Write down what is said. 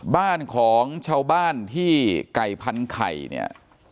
บ้านของชาวบ้านที่ไก่พันนไก่